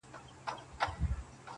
رنګ په رنګ به یې راوړله دلیلونه٫